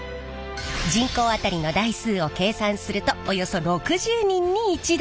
人口当たりの台数を計算するとおよそ６０人に１台。